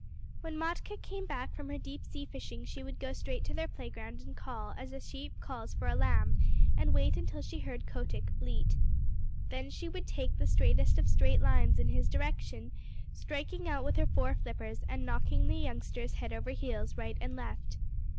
When Matkah came back from her deep sea fishing she would go straight to their playground and call as a sheep calls for a lamb, and wait until she heard Kotick bleat. Then she would take the straightest of straight lines in his direction, striking out with her fore flippers and knocking the youngsters head over heels right and left.